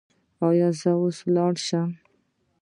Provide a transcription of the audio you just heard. ایا زه اوس لاړ شم؟